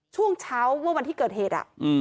ช่วงเช้าเมื่อวันที่เกิดเหตุ